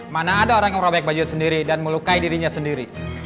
mana ada orang yang merobek baju sendiri dan melukai dirinya sendiri